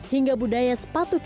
hingga budaya sepatu cats